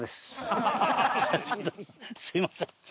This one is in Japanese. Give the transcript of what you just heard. すみません。